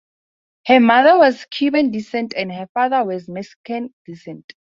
Her mother was Cuban descent and her father was Mexican descent.